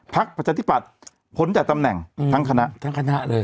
ภักดิ์ปรัชนิดปัดผลจากตำแห่งทั้งคณะทั้งคณะเลย